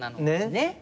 ねっ。